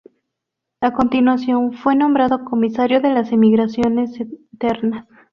A continuación fue nombrado comisario de las emigraciones internas.